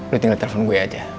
lo tinggal telepon gue aja